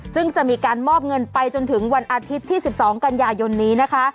ซึ่งจะมีการมอบเงินไปจนถึงวันอาทิตย์ที่๑๒กันยายนนี้นะคะ